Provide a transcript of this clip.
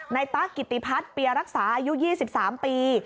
นายต๊ะกิตติพัดเปรียรักษาอายุ๒๓ปี